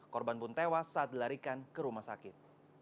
korban pun tewas saat dilarikan ke rumah sakit